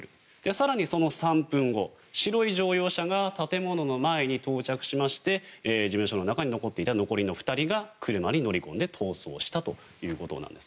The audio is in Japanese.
更にその３分後、白い乗用車が建物の前に到着しまして事務所の中に残っていた２人が車に乗り込み逃走したということです。